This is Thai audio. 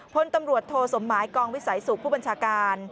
พลตำรวจโทสมหมายกองวิสัยสุขผู้บัญชาการ